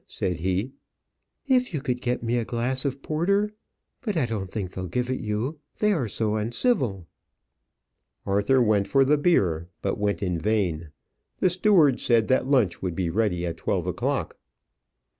said he. "If you could get me a glass of porter. But I don't think they'll give it you. They are so uncivil!" Arthur went for the beer; but went in vain. The steward said that lunch would be ready at twelve o'clock.